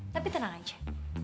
tapi tenang aja